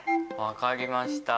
分かりました。